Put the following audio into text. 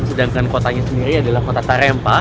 sedangkan kotanya sendiri adalah kota tarempa